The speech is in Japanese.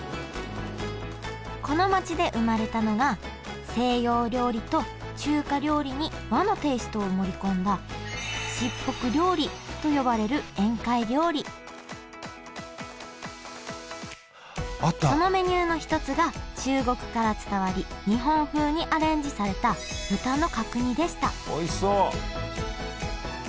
この街で生まれたのが西洋料理と中華料理に和のテイストを盛り込んだ卓袱料理と呼ばれる宴会料理そのメニューの一つが中国から伝わり日本風にアレンジされた豚の角煮でしたおいしそう！